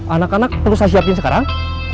anak anak perlu saya siapin sekarang